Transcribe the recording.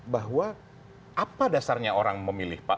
bahwa apa dasarnya orang memilih pak